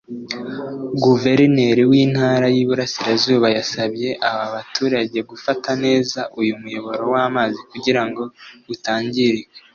Guverineri w’Intara y’Iburasirazuba yasabye aba baturage gufata neza uyu muyoboro w’amazi kugira ngo utangirika